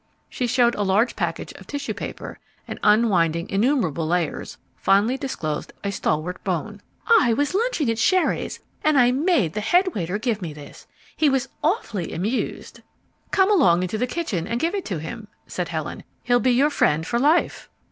She showed a large package of tissue paper and, unwinding innumerable layers, finally disclosed a stalwart bone. "I was lunching at Sherry's, and I made the head waiter give me this. He was awfully amused." "Come along into the kitchen and give it to him," said Helen. "He'll be your friend for life."